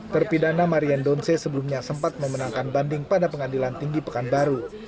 terpidana marian donce sebelumnya sempat memenangkan banding pada pengadilan tinggi pekanbaru